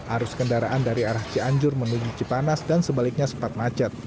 arus kendaraan dari arah cianjur menuju cipanas dan sebaliknya sempat macet